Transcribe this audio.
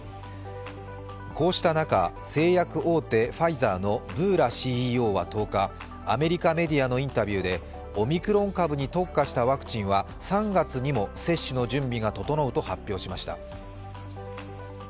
こうした中、製薬大手ファイザーのブーラＣＥＯは１０日、アメリカメディアのインタビューでオミクロン株に特化したワクチンは３月にも接種の準備が整うと発表しました。